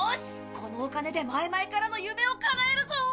このお金で前々からの夢をかなえるぞ！